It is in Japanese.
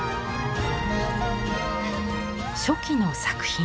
初期の作品。